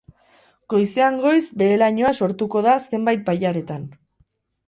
Goizean goiz behe-lainoa sortuko da zenbait bailaretan.